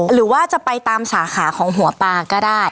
หรือว่าจะไปตามสาขาของหัวปลาก็ได้